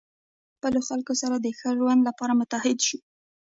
موږ باید له خپلو خلکو سره د ښه ژوند لپاره متحد شو.